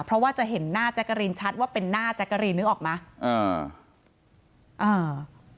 เพราะว่าจะเห็นหน้าแจ๊กกะรีนชัดว่าเป็นหน้าแจ๊กกะรีนนึกออกไหมอ่าอ่า